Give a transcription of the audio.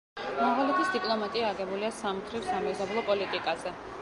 მონღოლეთის დიპლომატია აგებულია სამმხრივ სამეზობლო პოლიტიკაზე.